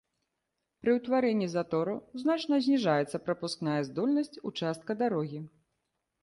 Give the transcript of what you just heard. Пры ўтварэнні затору значна зніжаецца прапускная здольнасць участка дарогі.